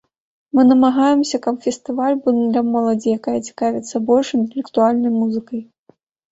Мы намагаемся, каб фестываль быў для моладзі, якая цікавіцца больш інтэлектуальнай музыкай.